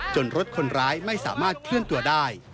รถคนร้ายไม่สามารถเคลื่อนตัวได้